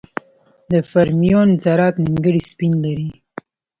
د فرمیون ذرات نیمګړي سپین لري.